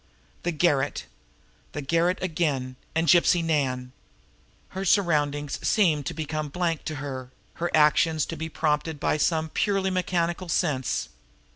The garret! The garret again and Gypsy Nan! Her surroundings seemed to become a blank to her; her actions to be prompted by some purely mechanical sense.